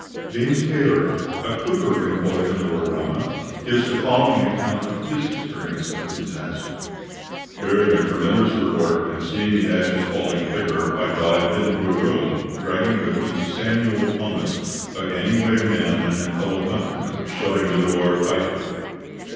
James Taylor, a cooper employed on the Roraima, gives the following account of his experience of the disaster: "Hearing a tremendous report and seeing the ashes falling thicker, I dived into a room, dragging with me Samuel Thomas, a gangway man and fellow countryman, shutting the door tightly.